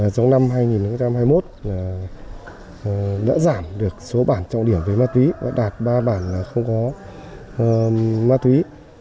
trong năm hai nghìn hai mươi một đã giảm được số bản trọng điểm về ma túy và đạt ba bản là không có ma túy